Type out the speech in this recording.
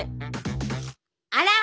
あら？